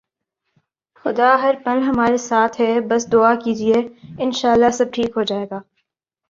خدا ہر پل ہمارے ساتھ ہے بس دعا کیجئے، انشاءاللہ سب ٹھیک ہوجائےگا